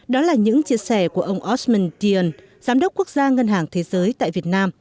đó là những chia sẻ của ông osman dion giám đốc quốc gia ngân hàng thế giới tại việt nam